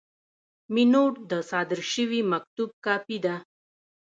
مینوټ د صادر شوي مکتوب کاپي ده.